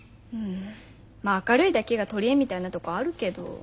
うんまあ明るいだけが取り柄みたいなとこあるけど。